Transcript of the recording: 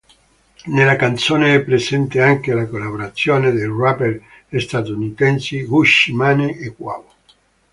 Nella canzone è presente anche la collaborazione dei rapper statunitensi Gucci Mane e Quavo.